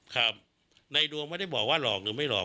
ครับในดวงไม่ได้บอกว่าหลอกหรือไม่หลอก